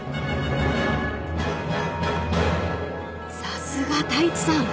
［さすが太一さん］